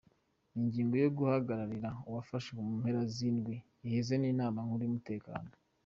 Iyingingo yo kuyahagarika yafashwe mu mpera z'indwi iheze n'inama nkuru y'umutekano.